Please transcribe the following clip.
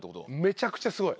めちゃくちゃすごい！